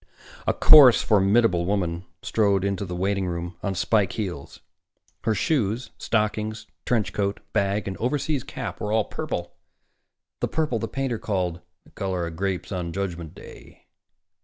A coarse, formidable woman strode into the waiting room on spike heels. Her shoes, stockings, trench coat, bag and overseas cap were all purple, the purple the painter called "the color of grapes on Judgment Day."